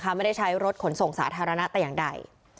ไม่ได้ใช้รถขนส่งสาธารณะแต่อย่างใด